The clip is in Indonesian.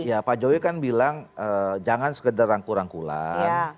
iya pak jokowi kan bilang jangan sekedar rangkulan rangkulan